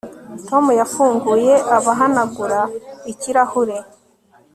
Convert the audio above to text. Tom yafunguye abahanagura ikirahure